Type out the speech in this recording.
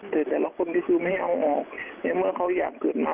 แต่แต่ละคนก็คือไม่เอาออกในเมื่อเขาอยากเกิดมา